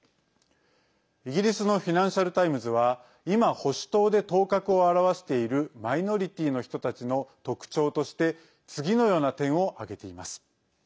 イギリスのフィナンシャル・タイムズは今、保守党で頭角を現しているマイノリティーの人たちの特徴として次のような点を挙げています。